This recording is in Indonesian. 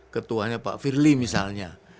ketuanya pak firli misalnya